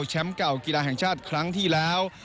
เก่ากีฬาแห่งชาติครั้งที่แล้ว